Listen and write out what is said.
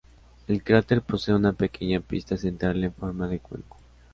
El cráter posee una pequeña pista central en forma de cuenco.